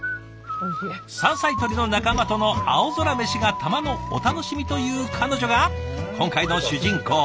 山菜採りの仲間との青空メシがたまのお楽しみという彼女が今回の主人公。